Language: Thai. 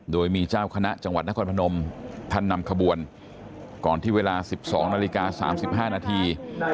โดยมีเจ้าคณะจังหวัดนครพนมท่านนำขบวนก่อนที่เวลา๑๒นาฬิกา๓๕นาที